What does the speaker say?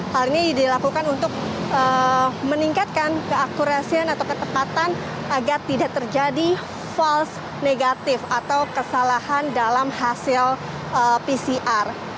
hal ini dilakukan untuk meningkatkan keakurasian atau ketepatan agar tidak terjadi false negatif atau kesalahan dalam hasil pcr